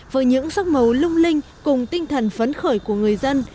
với những sắc màu lung linh cùng tinh thần phấn khởi của người dân